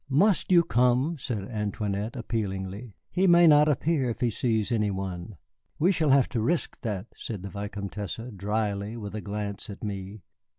"Must you come?" said Antoinette, appealingly. "He may not appear if he sees any one." "We shall have to risk that," said the Vicomtesse, dryly, with a glance at me.